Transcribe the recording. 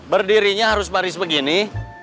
berdirinya harus baris begini